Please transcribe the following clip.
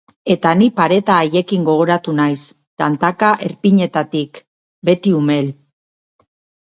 Eta ni pareta haiekin gogoratu naiz, tantaka erpinetatik, beti umel.